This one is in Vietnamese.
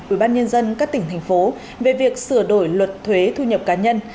ubnd các tỉnh thành phố về việc sửa đổi luật thuế thu nhập cá nhân